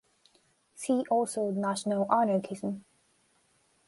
See also National anarchism.